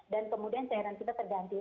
dan kemudian cairan kita terganti